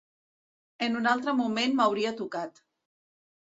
En un altre moment m'hauria tocat.